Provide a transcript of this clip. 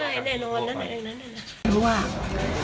เมื่อไม่กี่วันเนี่ยเขาก็อุ่มแขกข้าแล้วขวังแม่ก็มาด้วย